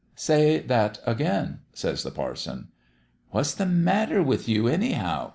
"' Say that again/ says the parson. "* What's the matter with you, anyhow